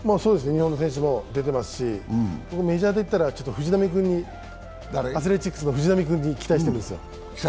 日本の選手も出てますし、メジャーでいったら藤浪君にアスレチックスの、期待してるんですよ。